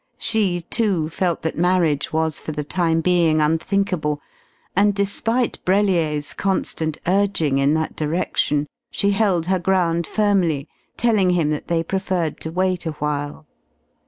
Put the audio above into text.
She, too, felt that marriage was for the time being unthinkable, and despite Brellier's constant urging in that direction, she held her ground firmly, telling him that they preferred to wait awhile.